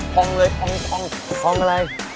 พองเลยพองพองพองอะไร